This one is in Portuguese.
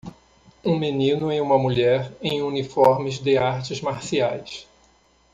Um menino e uma mulher em uniformes de artes marciais.